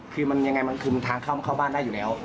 คือมันทางเข้ามาเข้าบ้านได้อยู่แล้ว